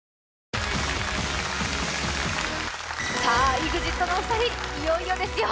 ＥＸＩＴのお二人いよいよですよ